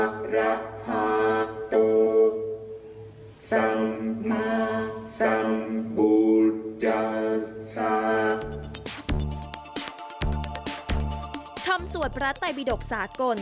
สวมสวดพระไตบิดกสากล